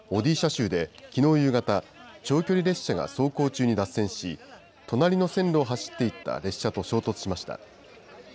州できのう夕方、長距離列車が走行中に脱線し、隣の線路を走っていた列車と衝突しました。